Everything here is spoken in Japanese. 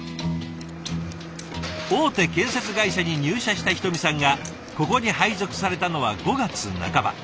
大手建設会社に入社した人見さんがここに配属されたのは５月半ば。